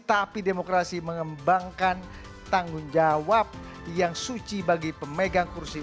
tapi demokrasi mengembangkan tanggung jawab yang suci bagi pemegang kursi